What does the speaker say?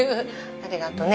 ありがとう。